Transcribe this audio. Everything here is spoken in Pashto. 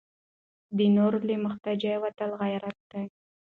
د نورو له محتاجۍ وتل غیرت دی.